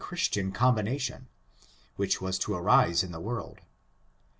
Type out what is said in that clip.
339 Ghristiaii combination, which was to arise in the world.